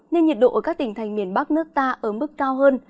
nên nhiệt độ ở các tỉnh thành miền bắc nước ta ớm bức cao hơn